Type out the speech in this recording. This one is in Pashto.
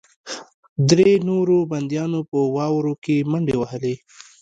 درې نورو بندیانو په واوره کې منډې وهلې